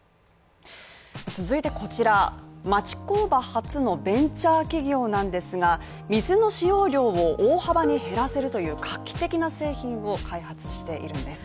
町工場発のベンチャー企業なんですが、水の使用量を大幅に減らせるという画期的な製品を開発しているんです。